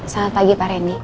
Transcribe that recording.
selamat pagi pak randy